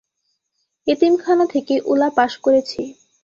এতিমখানা থেকেই উলা পাস করেছি।